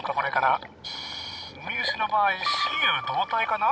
ウミウシの場合雌雄同体かな？